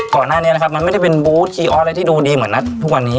ก่อนหน้านี้นะครับมันไม่ได้เป็นบูธคีย์ออสอะไรที่ดูดีเหมือนนัดทุกวันนี้